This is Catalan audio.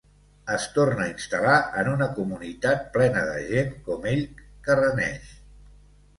Es torna a instal·lar en una comunitat plena de gent com ell que "reneix".